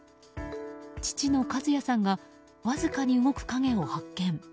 父の一也さんがわずかに動く影を発見。